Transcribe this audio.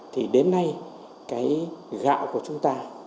thì đến nay cái gạo của chúng ta